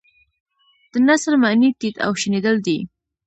د نثر معنی تیت او شیندل دي.